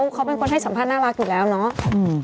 ก็เป็นคนให้สัมภาษณ์นะรักอยู่รับเนาะ